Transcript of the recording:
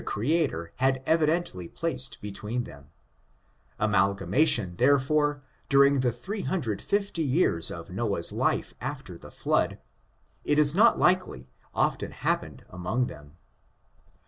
CTEB, AMU 41, ti had evidently placed between thhta ; amalgamation, therefore, during the three hundred and fifty years of Noah's life after the flood, it is not likely often hap pened among then).